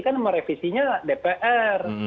kan merevisinya dpr